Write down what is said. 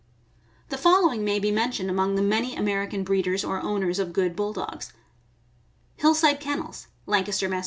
The following may be mentioned among the many Amer ican breeders or owners of good Bulldogs: Hillside Ken nels, Lancaster, Mass.